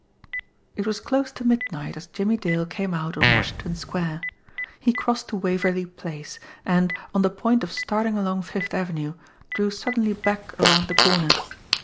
It was close to midnight, as Jimmie Dale came out on Washington Square. He crossed to Waverly Place, and, on the point of starting along Fifth Avenue, drew suddenly back around the corner.